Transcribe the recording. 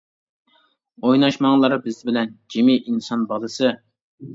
ئويناشماڭلار بىز بىلەن، جىمى ئىنسان بالىسى.